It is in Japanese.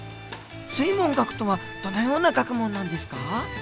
水文学とはどのような学問なんですか？